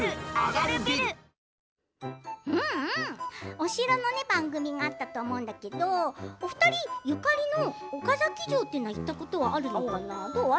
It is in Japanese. お城の番組があったと思うんだけれどお二人ゆかりの岡崎城は行ったことがあるのかな？